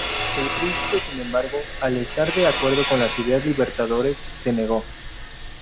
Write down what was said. El príncipe, sin embargo, al estar de acuerdo con las ideas libertadoras, se negó.